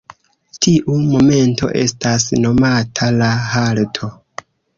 Tiu momento estas nomata la halto.